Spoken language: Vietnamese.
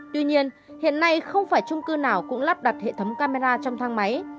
tuy nhiên hiện nay không phải trung cư nào cũng lắp đặt hệ thống camera trong thang máy